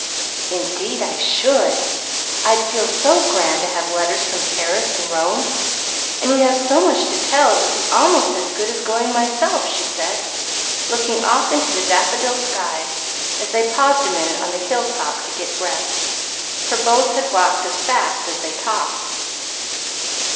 "Indeed I should! I'd feel so grand to have letters from Paris and Rome, and you'd have so much to tell it would be almost as good as going myself," she said, looking off into the daffodil sky, as they paused a minute on the hill top to get breath, for both had walked as fast as they talked.